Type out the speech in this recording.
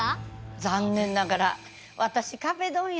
残念ながら私壁ドンやったらね